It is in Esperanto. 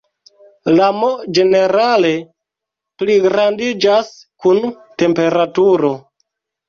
La "m" ĝenerale pligrandiĝas kun temperaturo.